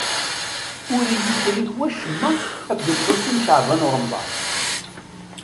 Ur iyi-yecrik wacemma akked Lḥusin n Caɛban u Ṛemḍan.